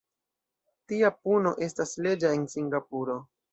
Tia puno estas leĝa en Singapuro.